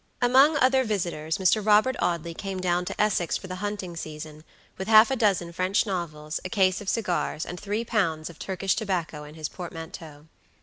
Among other visitors Mr. Robert Audley came down to Essex for the hunting season, with half a dozen French novels, a case of cigars, and three pounds of Turkish tobacco in his portmanteau.